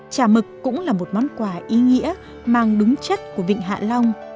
chả mực cũng là một món quà ý nghĩa mang đúng chất của vịnh hạ long